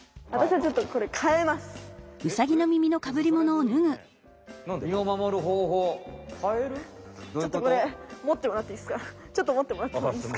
ちょっとこれもってもらっていいっすか？